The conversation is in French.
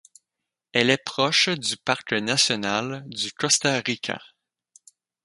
Elle est proche du parc national du Costa Rica.